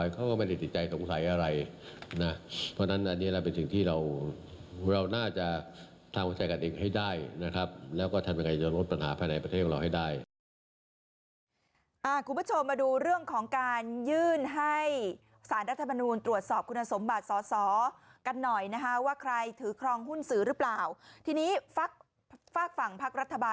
เขาก็ไปร้องเหมือนกันว่าภาคฝ่ายค้านก็ถือครองหุ้นสือเหมือนกันนะครับ